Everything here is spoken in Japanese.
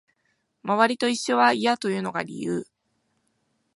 周りと一緒は嫌というのが理由